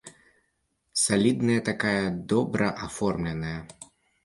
Салідная такая, добра аформленая.